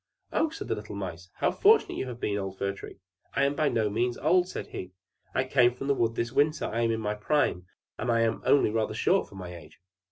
"Oh," said the little Mice, "how fortunate you have been, old Fir Tree!" "I am by no means old," said he. "I came from the wood this winter; I am in my prime, and am only rather short for my age."